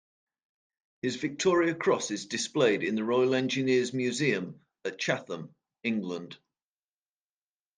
His Victoria Cross is displayed in the Royal Engineers Museum at Chatham, England.